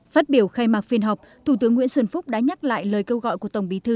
phát biểu khai mạc phiên họp thủ tướng nguyễn xuân phúc đã nhắc lại lời câu gọi của tổng bí thư